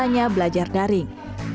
kisahnya belajar daring